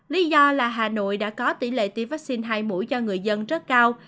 lý do là hà nội đã có tỷ lệ tiêm vaccine hai mũi cho người dân rất cao